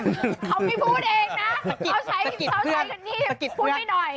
เอาไม่พูดเองนะเอาชัยพี่สาวชัยกันที่